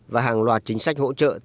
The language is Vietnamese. và hàng loạt chính sách hỗ trợ